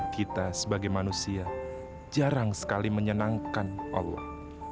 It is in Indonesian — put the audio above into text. kita sebagai manusia jarang sekali menyenangkan allah